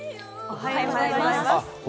おはようございます。